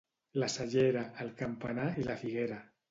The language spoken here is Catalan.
La Cellera, el campanar i la figuera.